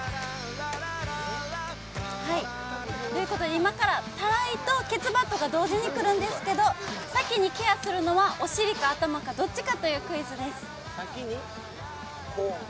今から、たらいとケツバットが同時に来るんですけど先にケアするのは、お尻か頭かどっちかというクイズです。